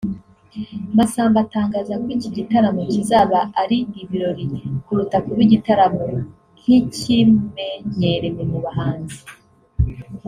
Masamba atangaza ko iki gitaramo kizaba ari ibirori kuruta kuba igitaramo nk’ikimenyerewe mu buhanzi